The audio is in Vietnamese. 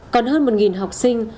còn hơn một học sinh